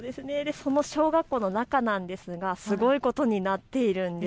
その小学校の中なんですがすごいことになっているんです。